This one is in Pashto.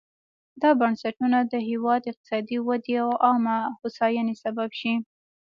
دا بنسټونه د هېواد اقتصادي ودې او عامه هوساینې سبب شي.